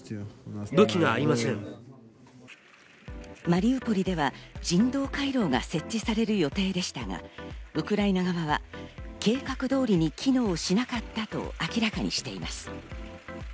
マリウポリでは人道回廊が設置される予定でしたがウクライナ側は計画通りに機能しなかったと明らかにしています。